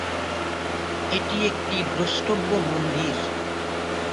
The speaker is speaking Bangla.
এটি একটি দ্রষ্টব্য মন্দির।